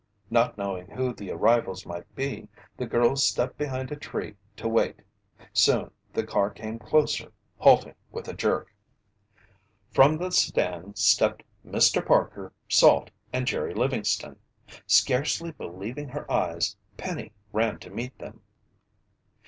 Not knowing who the arrivals might be, the girl stepped behind a tree to wait. Soon the car came closer, halting with a jerk. From the sedan stepped Mr. Parker, Salt, and Jerry Livingston. Scarcely believing her eyes, Penny ran to meet them.